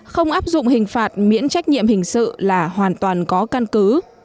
không áp dụng hình phạt miễn trách nhiệm hình sự là hoàn toàn có căn cứ